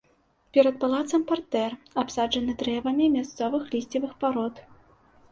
Перад палацам партэр, абсаджаны дрэвамі мясцовых лісцевых парод.